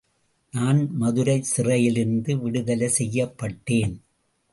நான் மதுரை சிறையிலிருந்து விடுதலை செய்யப்பட்டேன்.